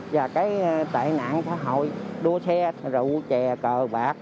và cái tệ nạn xã hội đua xe rượu chè cờ bạc